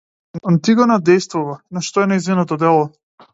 Антигона дејствува, но што е нејзиното дело?